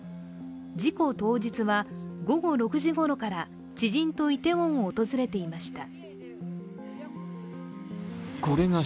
事故当日は午後６時ごろから知人とイテウォンを訪れていました。